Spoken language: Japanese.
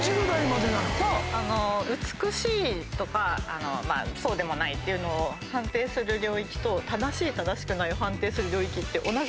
あの美しいとかそうでもないっていうのを判定する領域と正しい正しくないを判定する領域って。